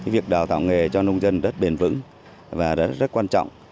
việc đào tạo nghề cho nông dân rất bền vững và rất quan trọng